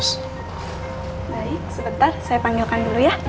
baik sebentar saya panggilkan dulu ya